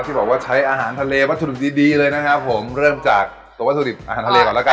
บอกว่าใช้อาหารทะเลวัตถุดิบดีดีเลยนะครับผมเริ่มจากตัววัตถุดิบอาหารทะเลก่อนแล้วกัน